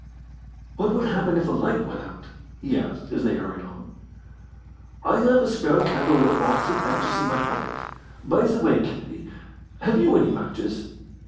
"What would happen if the light went out?" he asked, as they hurried on. "I have a spare candle and a box of matches in my pocket. By the way, Kennedy, have you any matches?"